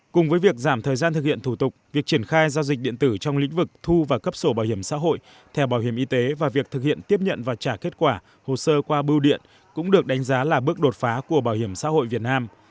cùng với việc giảm thời gian thực hiện thủ tục việc triển khai giao dịch điện tử trong lĩnh vực thu và cấp sổ bảo hiểm xã hội theo bảo hiểm y tế và việc thực hiện tiếp nhận và trả kết quả hồ sơ qua bưu điện cũng được đánh giá là bước đột phá của bảo hiểm xã hội việt nam